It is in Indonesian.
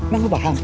ben lo paham